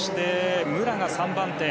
武良が３番手。